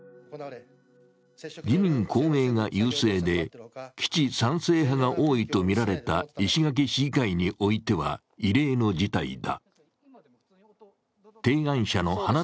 自民・公明が優勢で、基地賛成派が多いとみられた石垣市議会においては、異例の事態だ。